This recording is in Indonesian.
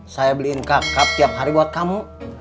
saya beliin kak kak tiap hari buat kamu